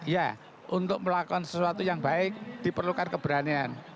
ya untuk melakukan sesuatu yang baik diperlukan keberanian